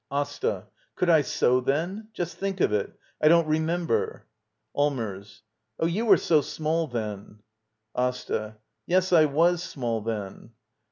AsTA. Could I sew then? Just think of it — I don't remember. Allmers. Oh, you were so small then. AsTA. Yes, I was small then.